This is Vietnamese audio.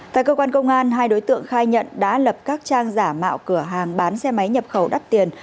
tại cơ quan công an hai đối tượng khai nhận đã lập các trang giả mạo cửa hàng bán xe máy nhập khẩu đắt tiền